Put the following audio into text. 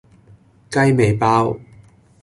雞尾包